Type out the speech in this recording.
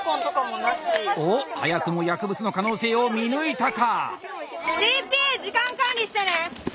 おっ早くも薬物の可能性を見抜いたか？